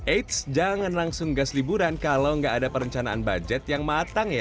eits jangan langsung gas liburan kalau nggak ada perencanaan budget yang matang ya